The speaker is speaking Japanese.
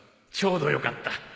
ちょうどよかった